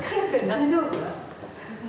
大丈夫？